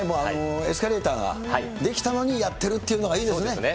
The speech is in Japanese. エスカレーターが出来たのにやってるっていうのがいいですね。